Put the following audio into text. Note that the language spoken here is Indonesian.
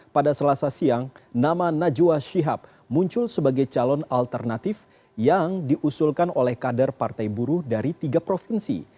pada selasa siang nama najwa shihab muncul sebagai calon alternatif yang diusulkan oleh kader partai buruh dari tiga provinsi